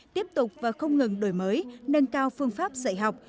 tiếp tục và không ngừng đổi mới nâng cao phương pháp dạy học